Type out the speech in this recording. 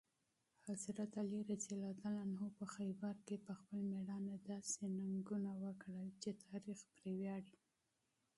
علي رض په خیبر کې د شجاعت داسې کارنامې وکړې چې تاریخ پرې ویاړي.